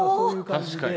確かに。